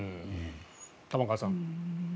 玉川さん。